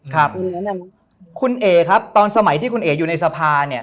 ครับคุณเอ๋ครับตอนสมัยที่คุณเอ๋อยู่ในสภาเนี่ย